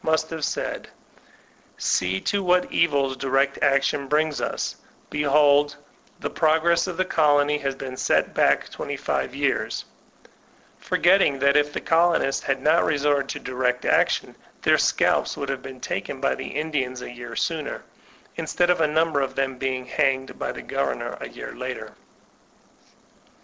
DiXECT Action 225 must have said: ''See to what evils direcl action brings us' I Bdioldy the progress of the colony has been set back twenty five years"; forgetting that if the colonists had not resorted to direct action, their scalps would have been taken by the Indians a year sooner, instead of a number of them being hanged by the governor a year later.